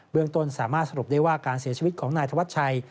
ต้นสามารถสรุปได้ว่าการเสียชีวิตของนายธวัชชัย